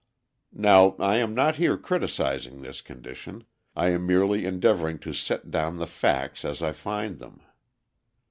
Now, I am not here criticising this condition; I am merely endeavouring to set down the facts as I find them.